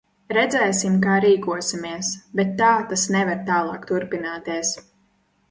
Redzēsim, kā rīkosimies, bet tā tas nevar tālāk turpināties.